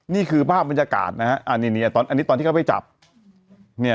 นี่คือภาพบรรยากาศนะฮะอันนี้ตอนที่เขาไปจับเนี่ย